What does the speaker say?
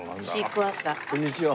こんにちは。